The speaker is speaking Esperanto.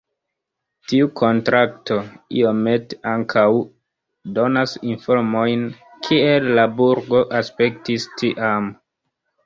Tiu kontrakto iomete ankaŭ donas informojn kiel la burgo aspektis tiam.